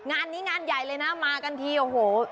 งานนี้งานใหญ่เลยนะมากันทีโอ้โห